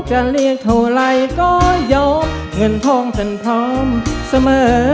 จะเรียกเท่าไรก็ยอมเงินทองท่านพร้อมเสมอ